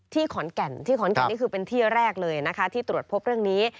ขอนแก่นที่ขอนแก่นนี่คือเป็นที่แรกเลยนะคะที่ตรวจพบเรื่องนี้